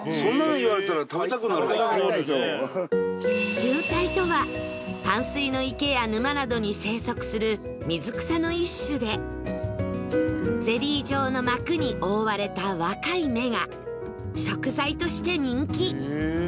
じゅんさいとは淡水の池や沼などに生息する水草の一種でゼリー状の膜に覆われた若い芽が食材として人気